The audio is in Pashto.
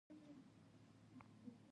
کندهار د افغانستان د اقلیم ځانګړتیا ده.